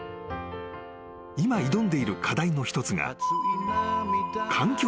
［今挑んでいる課題の一つが］